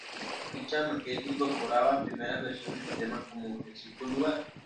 Dicha maqueta incorporaba primeras versiones de temas como "Existe un lugar".